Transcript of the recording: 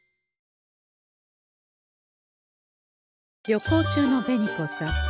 旅行中の紅子さん